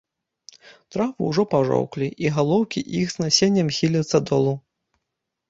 Травы ўжо пажоўклі, і галоўкі іх з насеннем хіляцца долу.